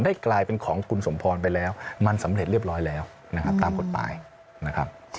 กลายเป็นของคุณสมพรไปแล้วมันสำเร็จเรียบร้อยแล้วนะครับตามกฎหมายนะครับ